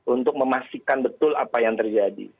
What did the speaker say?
untuk memastikan betul apa yang terjadi